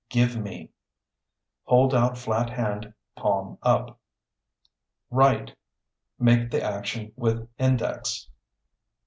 Give me (Hold out flat hand, palm up). Write (Make the action with index).